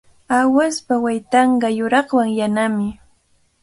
Aawaspa waytanqa yuraqwan yanami.